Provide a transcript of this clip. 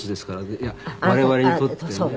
いや我々にとってね。